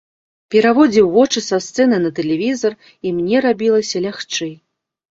Пераводзіў вочы са сцэны на тэлевізар, і мне рабілася лягчэй.